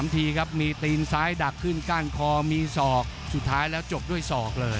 ทีครับมีตีนซ้ายดักขึ้นก้านคอมีศอกสุดท้ายแล้วจบด้วยศอกเลย